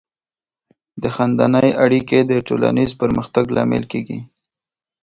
د خاندنۍ اړیکې د ټولنیز پرمختګ لامل کیږي.